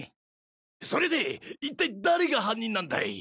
それで一体誰が犯人なんだい？